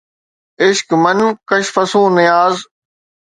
عشق من ڪُش فصون نياز